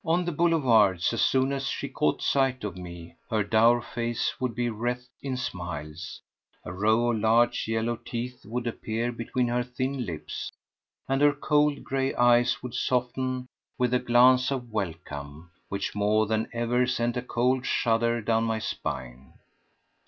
On the boulevards, as soon as she caught sight of me, her dour face would be wreathed in smiles, a row of large yellow teeth would appear between her thin lips, and her cold, grey eyes would soften with a glance of welcome which more than ever sent a cold shudder down my spine.